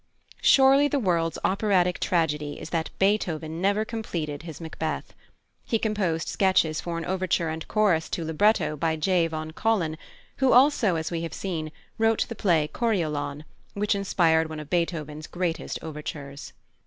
'" Surely the world's operatic tragedy is that +Beethoven+ never completed his Macbeth. He composed sketches for an overture and chorus to libretto by J. von Collin, who also, as we have seen, wrote the play Coriolan, which inspired one of Beethoven's greatest overtures.